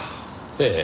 ええ。